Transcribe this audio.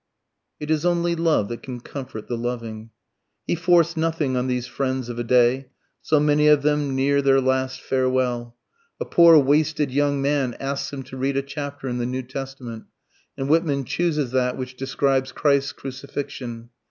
It is only love that can comfort the loving. He forced nothing on these friends of a day, so many of them near their last farewell. A poor wasted young man asks him to read a chapter in the New Testament, and Whitman chooses that which describes Christ's Crucifixion.